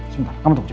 sebentar kamu tunggu